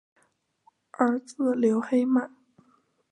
儿子刘黑马。